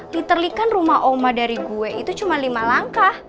peterly kan rumah oma dari gue itu cuma lima langkah